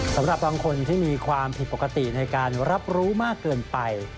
สำหรับบางคนที่มีความผิดปกติในการรับรู้มากเกินไป